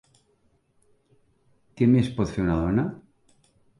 Què més pot fer una dona?